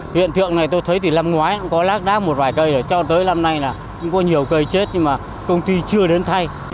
hiện tượng này tôi thấy thì lần ngoái cũng có lát đá một vài cây cho tới lần này là cũng có nhiều cây chết nhưng mà công ty chưa đến thay